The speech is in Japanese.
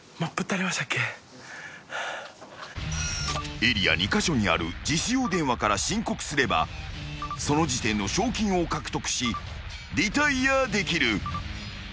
［エリア２カ所にある自首用電話から申告すればその時点の賞金を獲得しリタイアできる］